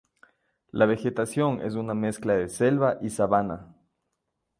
La vegetación es una mezcla de selva y sabana.